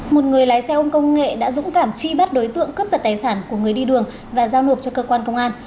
một người lái xe ôn công nghệ đã dũng cảm truy bắt đối tượng cướp giật tài sản của người đi đường và giao nộp cho cơ quan công an